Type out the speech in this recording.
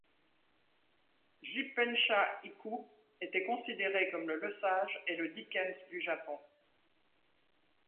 Jippensha Ikku était considéré comme le Lesage et le Dickens du Japon.